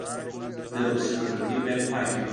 د بسونو کړکۍ باید پاکې وي.